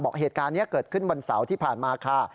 เหตุการณ์นี้เกิดขึ้นวันเสาร์ที่ผ่านมาค่ะ